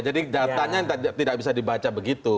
jadi datanya tidak bisa dibaca begitu